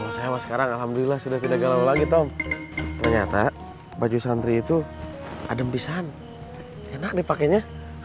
oh saya sekarang alhamdulillah sudah tidak galau lagi tom ternyata baju santri itu adem pisahan enak dipakainya